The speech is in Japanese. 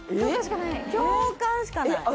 共感しかないえっ